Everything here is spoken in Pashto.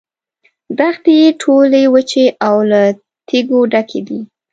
دښتې یې ټولې وچې او له تیږو ډکې دي.